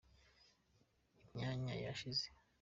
imyanya yashize.